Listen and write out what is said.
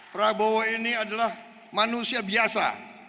prabowo ini adalah manusia biasa